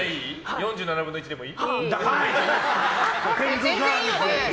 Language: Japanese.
４７分の１でもいい？